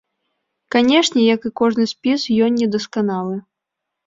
Канешне, як і кожны спіс, ён недасканалы.